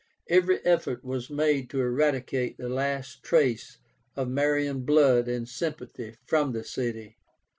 Every effort was made to eradicate the last trace of Marian blood and sympathy from the city.